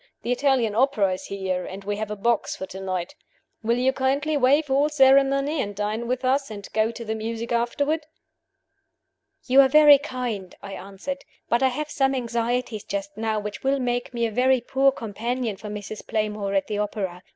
The Italian opera is here, and we have a box for to night. Will you kindly waive all ceremony and dine with us and go to the music afterward?" "You are very kind," I answered. "But I have some anxieties just now which will make me a very poor companion for Mrs. Playmore at the opera.